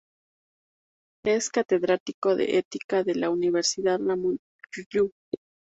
Es catedrático de Ética de la Universidad Ramon Llull.